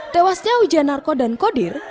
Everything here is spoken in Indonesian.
tewasnya ujian narko dan kodir